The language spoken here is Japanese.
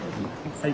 はい。